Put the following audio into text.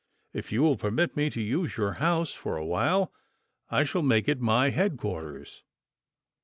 If you will permit me to use your house for a while, I shall make it my headquarters.